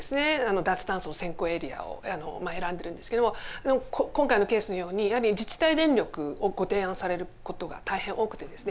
脱炭素を先行エリアを選んでるんですけども今回のケースのようにやはり自治体電力をご提案されることが大変多くてですね。